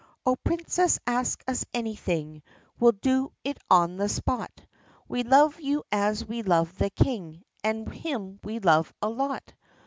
Oh, Princess, ask us anything; We 'll do it on the spot! We love you as we love the King, And him we love a lot!